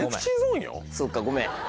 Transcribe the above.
そっかごめん。